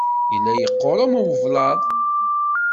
Yella yeqqur am ublaḍ.